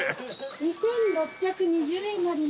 ２，６２０円になります。